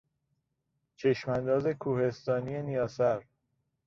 چشم انداز کوهستانی نیاسر